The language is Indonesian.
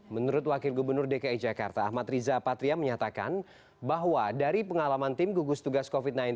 menurut wakil gubernur dki jakarta ahmad riza patria menyatakan bahwa dari pengalaman tim gugus tugas covid sembilan belas